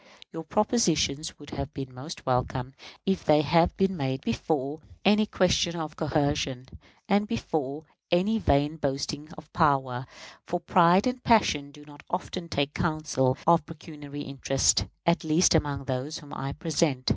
Your propositions would have been most welcome if they had been made before any question of coercion, and before any vain boasting of power; for pride and passion do not often take counsel of pecuniary interest, at least among those whom I represent.